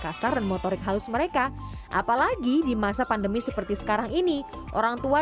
kasar dan motorik halus mereka apalagi di masa pandemi seperti sekarang ini orang tua